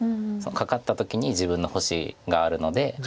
カカった時に自分の星があるので。